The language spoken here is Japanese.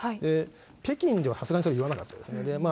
北京ではさすがにそれは言わなかったですね。